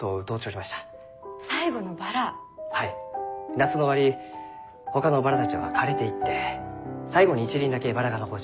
夏の終わりほかのバラたちは枯れていって最後に一輪だけバラが残っちゅう。